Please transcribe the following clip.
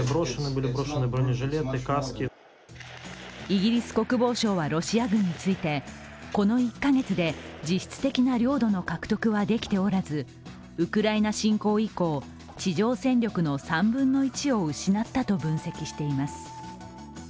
イギリス国防省はロシア軍についてこの１カ月で実質的な領土の獲得はできておらずウクライナ侵攻以降、地上戦力の３分の１を失ったと分析しています。